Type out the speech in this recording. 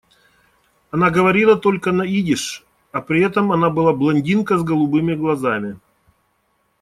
Она говорила только на идиш, а при этом она была блондинка с голубыми глазами.